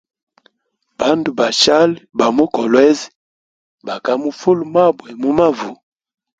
Bandu basheli ba mu Kolwezi bakamufula mabwa mumavu.